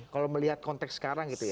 kalau melihat konteks sekarang gitu ya